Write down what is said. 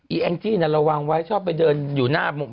แองจี้น่ะระวังไว้ชอบไปเดินอยู่หน้า